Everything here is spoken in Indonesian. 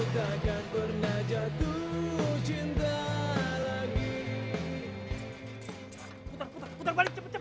putar putar balik cepet cepet